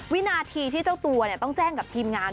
วินาทีที่เจ้าตัวต้องแจ้งกับทีมงาน